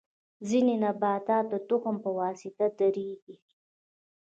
ځینې نباتات د تخم په واسطه ډیریږي